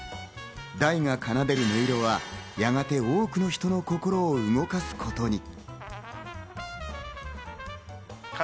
大が奏でる音色はやがて多くの人の心を動かすことに。